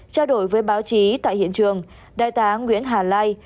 trao đổi với báo chí tại hiện trường đại tá nguyễn hà lai